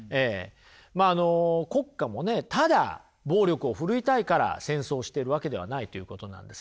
まあ国家もねただ暴力を振るいたいから戦争をしているわけではないということなんですね。